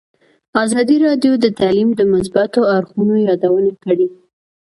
ازادي راډیو د تعلیم د مثبتو اړخونو یادونه کړې.